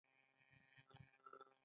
آیا دوی ډالۍ او یادګارونه نه اخلي؟